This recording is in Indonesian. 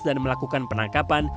dan melakukan penangkapan